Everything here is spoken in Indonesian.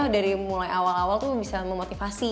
dari awal awal mereka bisa memotivasi